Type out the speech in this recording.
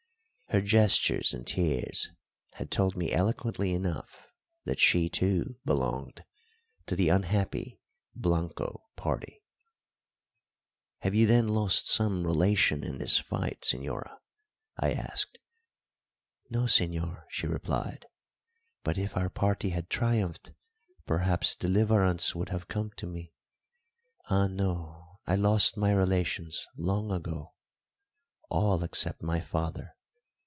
Her gestures and tears had told me eloquently enough that she too belonged to the unhappy Blanco party. "Have you, then, lost some relation in this fight, señora?" I asked. "No, señor," she replied; "but if our party had triumphed, perhaps deliverance would have come to me. Ah, no; I lost my relations long ago all except my father.